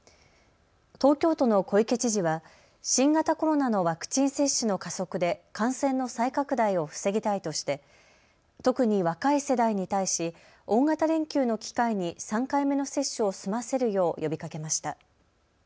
東京都の小池知事は新型コロナのワクチン接種の加速で感染の再拡大を防ぎたいとして特に若い世代に対し大型連休の機会に３回目の接種を済ませるよう呼びかけました。